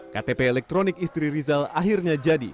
ktp elektronik istri rizal akhirnya jadi